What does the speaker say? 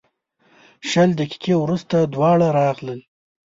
شل دقیقې وروسته دواړه راغلل.